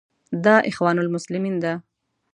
دا اخوان المسلمین ده.